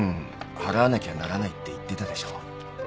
払わなきゃならないって言ってたでしょう？